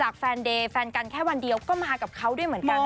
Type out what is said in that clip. แค่วันเดียวก็มากับเขาด้วยเหมือนกันนะคุณ